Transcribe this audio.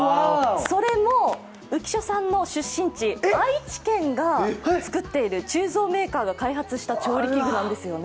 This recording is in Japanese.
それも浮所さんの出身地、愛知県が作っている鋳造メーカーが開発した調理器具なんですよね。